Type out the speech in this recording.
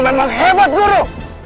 guru memang hebat guru